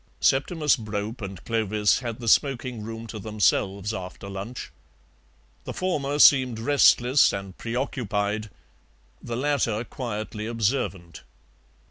Septimus Brope and Clovis had the smoking room to themselves after lunch. The former seemed restless and preoccupied, the latter quietly observant.